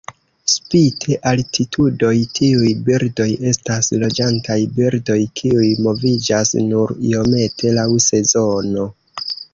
Spite altitudoj tiuj birdoj estas loĝantaj birdoj kiuj moviĝas nur iomete laŭ sezono.